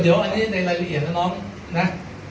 เดี๋ยวอันนี้ในรายละเอียดนะน้องนะ